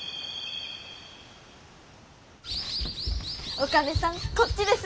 お兼さんこっちです。